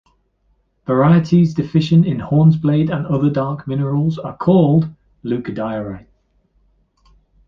Varieties deficient in hornblende and other dark minerals are called "leucodiorite".